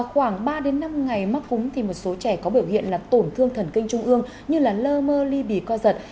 khoảng ba đến năm ngày mắc cúm thì một số trẻ có biểu hiện là tổn thương thần kinh trung ương như lơ mơ ly bì co giật